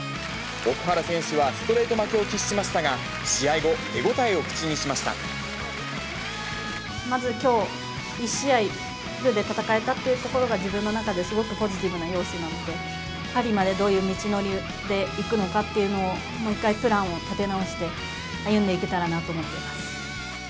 奥原選手はストレート負けを喫しましたが、試合後、まずきょう、１試合、フルで戦えたってところが自分の中ですごくポジティブな要素なので、パリまでどういう道のりで行くのかっていうのを、もう一回、プランを立て直して、歩んでいけたらなと思っています。